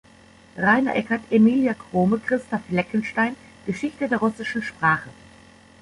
Rainer Eckert, Emilia Crome, Christa Fleckenstein: "Geschichte der russischen Sprache".